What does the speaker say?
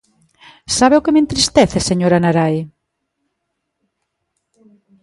¿Sabe o que me entristece, señora Narai?